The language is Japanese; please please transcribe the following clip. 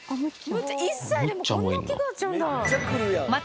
１歳でこんな大っきくなっちゃうんだ。